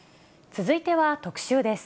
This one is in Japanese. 続いては特集です。